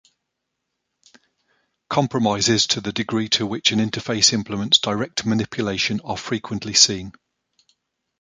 Compromises to the degree to which an interface implements direct manipulation are frequently seen.